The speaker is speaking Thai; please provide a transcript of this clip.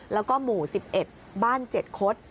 แล้วก็หมู่๑๑บ้านเจ็ดขด